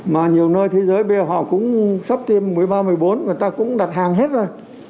mà nhiều nơi thế giới bây giờ họ cũng sắp tiêm mũi ba mũi bốn người ta cũng đặt hàng hết rồi